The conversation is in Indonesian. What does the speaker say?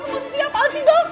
maksudnya apaan sih bang